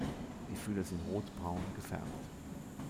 Die Fühler sind rotbraun gefärbt.